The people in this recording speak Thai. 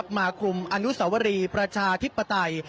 มาคลุมอนุสวรีประชาธิปไตย